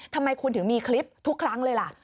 ทำไมคุณถึงมีคลิปทุกครั้งเลยล่ะ